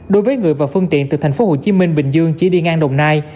đối với người và phương tiện từ thành phố hồ chí minh và bình dương chỉ đi ngang đồng nai